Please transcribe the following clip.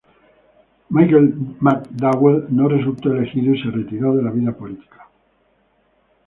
Michael McDowell no resultó elegido y se retiró de la vida política.